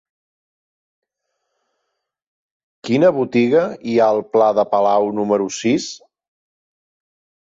Quina botiga hi ha al pla de Palau número sis?